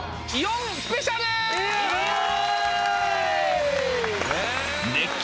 イエーイ！